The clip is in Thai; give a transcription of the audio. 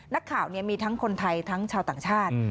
นักข่าวมีทั้งคนไทยทั้งชาวต่างชาติ